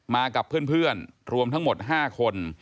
มากับเพื่อนรวมทั้งหมด๕คน